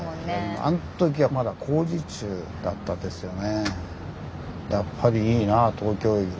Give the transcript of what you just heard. あん時はまだ工事中だったですよね。